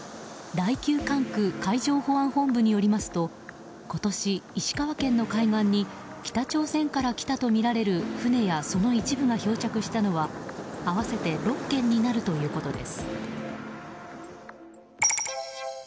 第９管区海上保安本部によりますと今年、石川県の海岸に北朝鮮から来たとみられる船やその一部が漂着したのは合わせて６件になるということです。